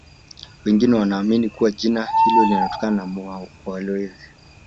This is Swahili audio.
Wengine wanaamini kuwa jina hilo lilitoka kwa walowezi